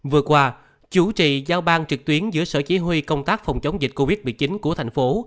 vừa qua chủ trì giao ban trực tuyến giữa sở chỉ huy công tác phòng chống dịch covid một mươi chín của thành phố